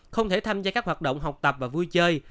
không thể tham gia các hoạt động học tập và vui chơi